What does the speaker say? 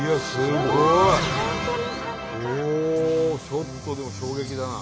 ちょっとでも衝撃だな。